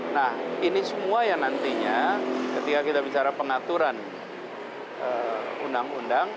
nah ini semua yang nantinya ketika kita bicara pengaturan undang undang